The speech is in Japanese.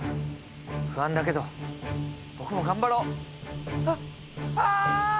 不安だけど僕も頑張ろあっあ！